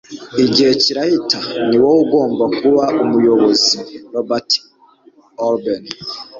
igihe kirahita. ni wowe ugomba kuba umuyobozi. - robert orben